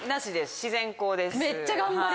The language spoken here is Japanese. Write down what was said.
めっちゃ頑張れる。